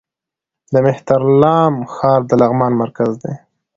د مهترلام ښار د لغمان مرکز دی